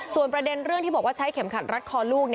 ส่วนประเด็นเรื่องที่บอกว่าใช้เข็มขัดรัดคอลูก